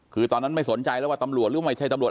คือตอนนั้นไม่สนใจแล้วว่าตำรวจหรือไม่ใช่ตำรวจ